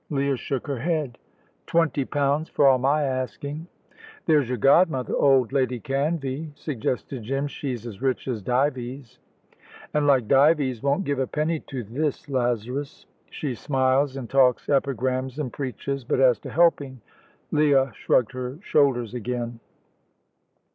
Leah shook her head. "Twenty pounds, for all my asking." "There's your godmother, old Lady Canvey," suggested Jim. "She's as rich as Dives." "And, like Dives, won't give a penny to this Lazarus. She smiles, and talks epigrams, and preaches, but as to helping " Leah shrugged her shoulders again.